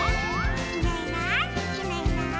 「いないいないいないいない」